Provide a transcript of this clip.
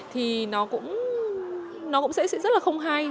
thì nó cũng sẽ rất là không hay